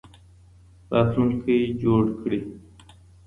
راتلونکی جوړ کړي